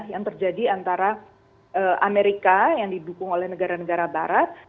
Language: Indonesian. yang terjadi antara amerika yang didukung oleh negara negara barat